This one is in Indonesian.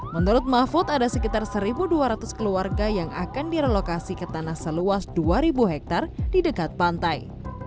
menurut mahfud ada sekitar satu dua ratus keluarga yang akan direlokasi ke tanah seluas dua hektare di dekat pantai